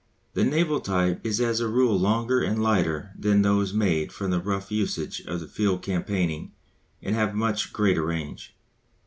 The naval type is as a rule longer and lighter than those made for the rough usage of field campaigning and have a much greater range.